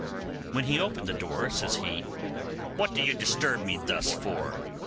When he opened the door, says he, 'What do you disturb me thus for?